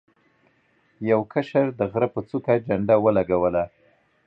یو کشر د غره په څوکه جنډه ولګوله.